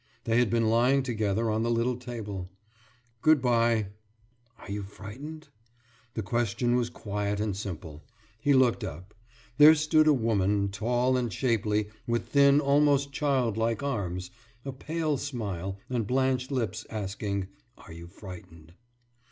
They had been lying together on the little table. »Goodbye.« »Are you frightened?« The question was quiet and simple. He looked up. There stood a woman, tall and shapely, with thin, almost child like arms, a pale smile, and blanched lips, asking: »Are you frightened?